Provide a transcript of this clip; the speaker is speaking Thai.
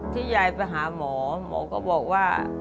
ที่ยายไปหาหมอหมอก็บอกว่า